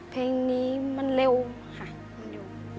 เพลงนี้มันเร็วค่ะ